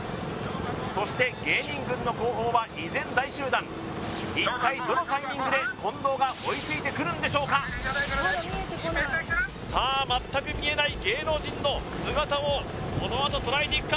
そして芸人軍の後方は依然大集団一体どのタイミングで近藤が追いついてくるんでしょうかさあ全く見えない芸能人の姿をこのあととらえていくか？